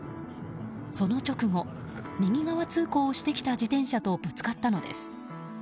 その直後、右側通行をしてきた自転車とぶつかったのです。